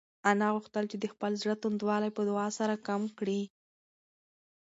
انا غوښتل چې د خپل زړه توندوالی په دعا سره کم کړي.